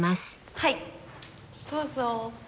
はいどうぞ。